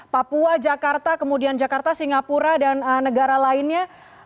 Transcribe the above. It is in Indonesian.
papua jakarta kemudian jakarta singapura dan negara lainnya